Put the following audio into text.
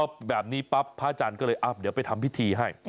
พอแบบนี้ปั๊บพระอาจารย์ก็เลยเดี๋ยวไปทำพิธีให้